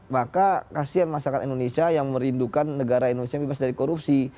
maka kasian masyarakat indonesia yang merindukan negara indonesia yang bebas dari korupsi